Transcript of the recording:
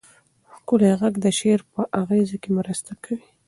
ښکلی غږ د شعر په اغېز کې مرسته کوي.